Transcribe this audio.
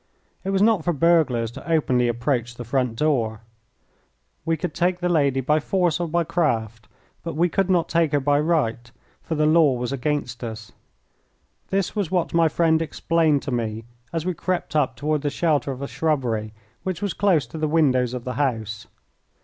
It was not for burglars to openly approach the front door. We could take the lady by force or by craft, but we could not take her by right, for the law was against us. This was what my friend explained to me as we crept up toward the shelter of a shrubbery which was close to the windows of the house.